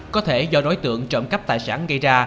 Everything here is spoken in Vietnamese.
có thể do đối tượng trộm cắp tài sản gây ra